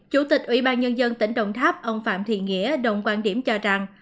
chủ tịch ủy ban nhân dân tỉnh đồng tháp ông phạm thiện nghĩa đồng quan điểm cho rằng